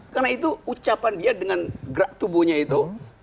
karena itu ucapan dia dengan gerak tubuhnya itu